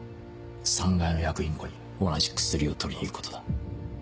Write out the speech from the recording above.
３階の薬品庫に同じ薬を取りに行くことだ。